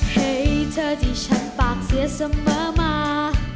ให้เธอที่ฉันปากเสียเสมอมา